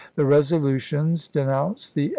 The resolutions denounced the chap.